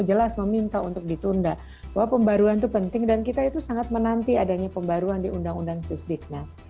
jelas meminta untuk ditunda bahwa pembaruan itu penting dan kita itu sangat menanti adanya pembaruan di undang undang susdiknas